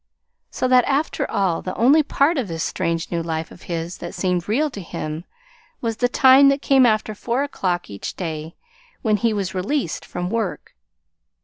So that, after all, the only part of this strange new life of his that seemed real to him was the time that came after four o'clock each day, when he was released from work.